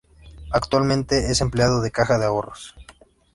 Actualmente es empleado de caja de ahorros.